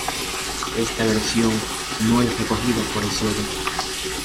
Esta versión no es recogida por Hesíodo.